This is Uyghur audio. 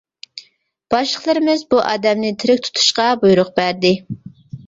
باشلىقلىرىمىز بۇ ئادەمنى تىرىك تۇتۇشقا بۇيرۇق بەردى.